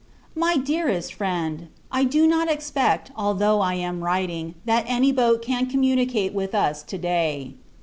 MY DEAREST FRIEND, I do not expect, although I am writing, that any boat can communicate with us to day.